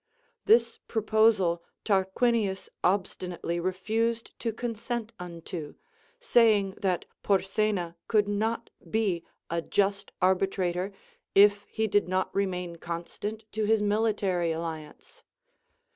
This proposal Tar quinius obstinately refused to consent unto, saying that Porsena could not be a just arbitrator if he did not remain constant to his military alliance.